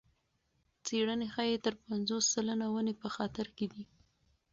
څېړنې ښيي تر پنځوس سلنه ونې په خطر کې دي.